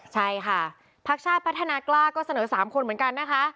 ใช่ค่ะพักชาติพัฒนากล้าก็เสนอ๓คนเหมือนกันนะคะ